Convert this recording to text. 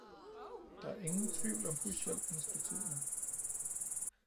Der er ingen tvivl om hushjælpens betydning.